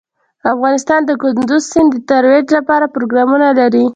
افغانستان د کندز سیند د ترویج لپاره پروګرامونه لري.